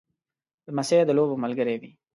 لمسی د لوبو ملګری وي.